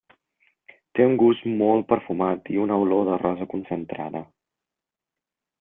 Té un gust molt perfumat i una olor de rosa concentrada.